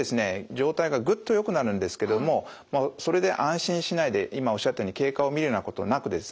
状態がぐっとよくなるんですけどもそれで安心しないで今おっしゃったように経過を見るようなことなくですね